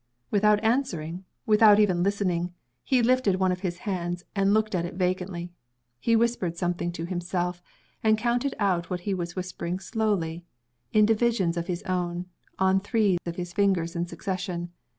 Without answering without even listening he lifted one of his hands, and looked at it vacantly. He whispered something to himself; and counted out what he was whispering slowly; in divisions of his own, on three of his fingers in succession.